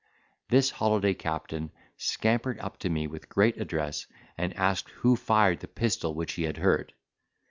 This holiday captain scampered up to me with great address, and asked who fired the pistol which he had heard.